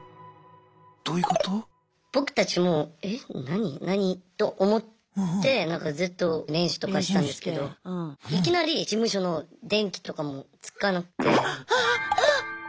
僕たちも「え何？何？」と思ってずっと練習とかしてたんですけどいきなり事務所の電気とかもつかなくて。